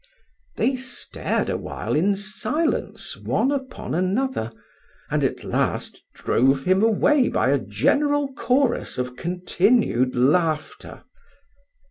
They stared awhile in silence one upon another, and at last drove him away by a general chorus of continued laughter.